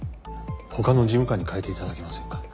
他の事務官に代えて頂けませんか。